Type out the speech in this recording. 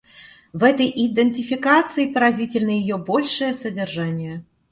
В этой идентификации поразительно ее большее содержание.